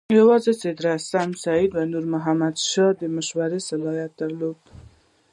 یوازې صدراعظم سید نور محمد شاه د مشورې صلاحیت درلود.